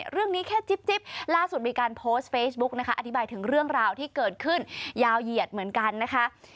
เรื่องนี้แค่จิ๊บล่าสุดมีการโพสต์เฟซบุ๊กนะคะอธิบายถึงเรื่องราวที่เกิดขึ้นยาวเหยียดเหมือนกันนะคะ